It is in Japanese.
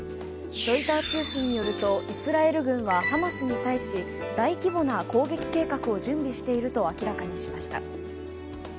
ロイター通信によるとイスラエル軍はハマスに対し大規模な攻撃計画を準備していると明らかにしました。